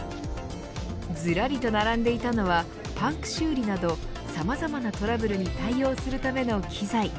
ずらりと並んでいたのはパンク修理など、さまざまなトラブルに対応するための機材。